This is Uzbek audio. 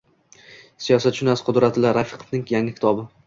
Siyosatshunos Qudratilla Rafiqovning yangi kitobi...